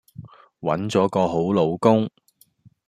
搵咗個好老公